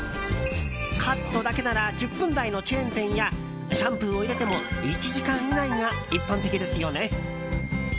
カットだけなら１０分台のチェーン店やシャンプーを入れても１時間以内が一般的ですよね。